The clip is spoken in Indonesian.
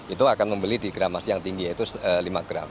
itu akan membeli di gram masih yang tinggi yaitu lima gram